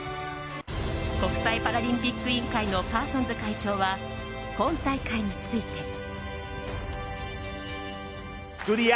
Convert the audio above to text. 国際パラリンピック委員会のパーソンズ会長は今大会について。